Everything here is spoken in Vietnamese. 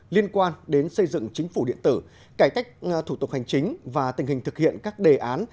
liên quan đến xây dựng chính phủ điện tử cải cách thủ tục hành chính và tình hình thực hiện các đề án